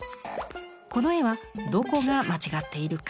「この絵はどこがまちがっているか？